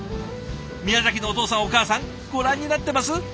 宮崎のお父さんお母さんご覧になってます？